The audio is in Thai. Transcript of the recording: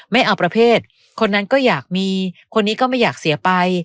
ไม่เอาประเภทคนนั้นก็อยากมีคนนี้ก็ไม่อยากเสียไป